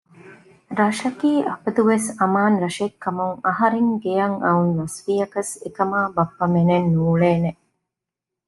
ރަށަކީ އަބަދުވެސް އަމާން ރަށެއްކަމުން އަހަރެން ގެޔަށް އައުން ލަސްވިޔަކަސް އެކަމަކާ ބައްޕަ މެންނެއް ނޫޅޭނެ